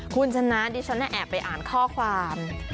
คุณชนะดิฉันแอบไปอ่านข้อความ